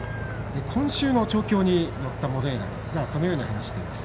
今週の調教に乗ったモレイラですがそのように話しています。